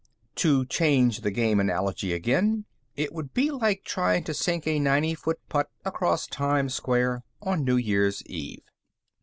To change the game analogy again, it would be like trying to sink a ninety foot putt across Times Square on New Year's Eve.